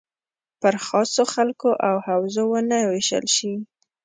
پر خاصو خلکو او حوزو ونه ویشل شي.